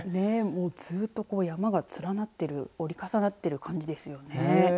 ずっと山が連なっている折り重なっている感じですよね。